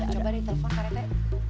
coba di telpon pak rite